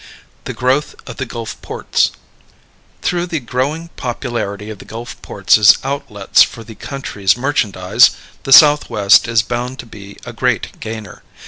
The Growth of the Gulf Ports. Through the growing popularity of the Gulf ports as outlets for the country's merchandise, the Southwest is bound to be a great gainer.